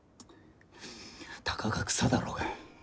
たかが草だろうが。